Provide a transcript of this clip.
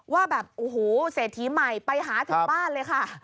ว่าแบบโอ้โหเศรษฐีใหม่ไปหาถึงบ้านเลยค่ะ